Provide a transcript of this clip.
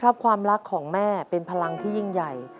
ความรักของแม่เป็นพลังที่ยิ่งใหญ่